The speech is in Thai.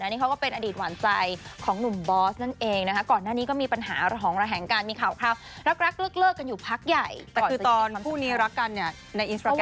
ในอินสตราแกรมก็แทบแปลกอยู่เหมือนกัน